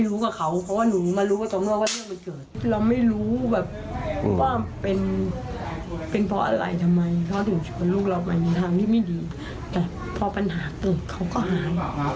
ลูกเรามันมีทางที่ไม่ดีแต่พอปัญหาเกิดเขาก็อาย